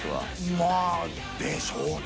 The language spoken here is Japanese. まあでしょうね！